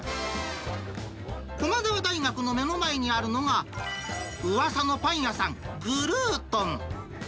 駒澤大学の目の前にあるのが、うわさのパン屋さん、グルートン。